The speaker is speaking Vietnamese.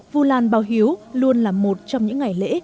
vu lan báo hiếu luôn là một trong những ngày lễ